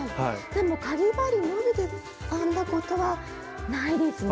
でもかぎ針のみで編んだことはないですね。